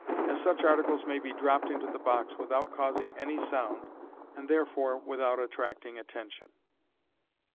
as such articles may be dropped into the box without causing any sound, and therefore without attracting attention.